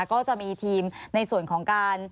ก็จะมีทีมในส่วนของการ